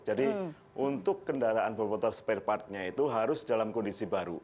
jadi untuk kendaraan bermotor spare partnya itu harus dalam kondisi baru